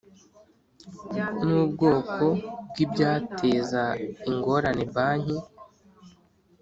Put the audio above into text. n ubwoko bw ibyateza ingorane banki